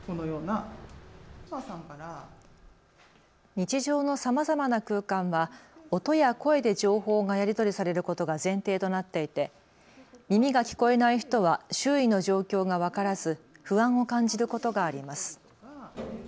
日常のさまざまな空間は音や声で情報がやり取りされることが前提となっていて耳が聞こえない人は周囲の状況が分からず不安を感じることがあります。